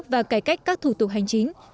và cải cách các thủ tục hành chính